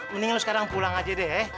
mending lo sekarang pulang aja deh